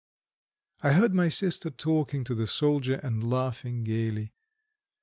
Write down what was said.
I heard my sister talking to the soldier and laughing gaily.